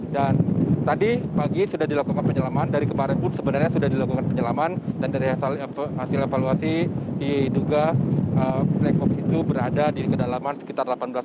dan tadi pagi sudah dilakukan penyelaman dari kemarin pun sebenarnya sudah dilakukan penyelaman dan dari hasil evaluasi diduga black box itu berada di kedalaman sekitar lantai